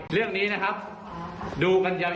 เรื่องนี้นะครับดูกันยาว